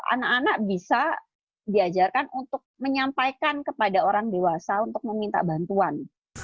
anak anak bisa diajarkan untuk menyampaikan kepada orang dewasa untuk meminta bantuan